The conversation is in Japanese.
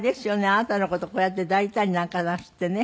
あなたの事をこうやって抱いたりなんかなすってね